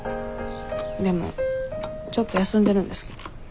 でもちょっと休んでるんですけど。